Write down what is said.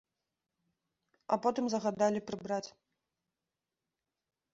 А потым загадалі прыбраць.